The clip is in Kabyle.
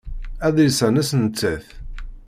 Adlis-a nnes nettat.